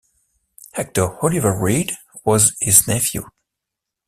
Actor Oliver Reed was his nephew.